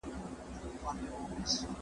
سالمه تغذیه د انسان ژوند اوږدوي.